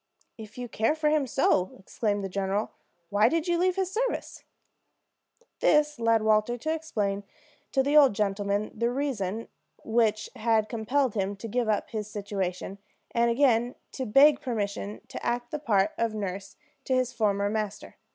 "If you care for him so," exclaimed the general, "why did you leave his service?" This led Walter to explain to the old gentleman the reasons which had compelled him to give up his situation, and again to beg permission to act the part of nurse to his former master.